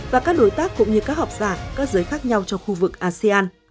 và các đối tác cũng như các học giả các giới khác nhau trong khu vực asean